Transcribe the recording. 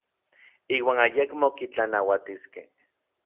Iuan ayekmo kitlanauatiskej.